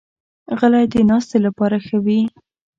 غلۍ د ناستې لپاره ښه وي.